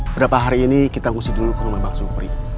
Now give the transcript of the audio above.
berapa hari ini kita ngusi dulu ke rumah bang supri